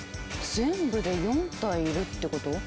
全部で４体いるってこと？